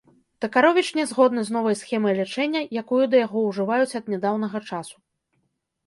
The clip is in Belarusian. Такаровіч не згодны з новай схемай лячэння, якую да яго ўжываюць ад нядаўняга часу.